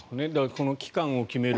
この期間を決める